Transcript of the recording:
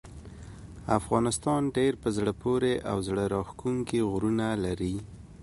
افغانستان ډیر په زړه پورې او زړه راښکونکي غرونه لري.